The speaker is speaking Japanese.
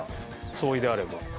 総意であれば。